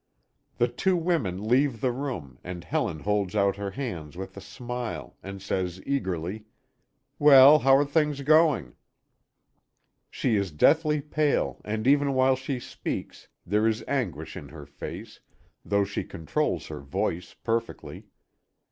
The two women leave the room, and Helen holds out her hand with a smile, and says eagerly: "Well, how are things going?" She is deathly pale, and even while she speaks, there is anguish in her face, though she controls her voice perfectly.